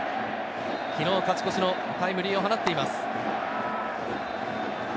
昨日、勝ち越しのタイムリーを放っています。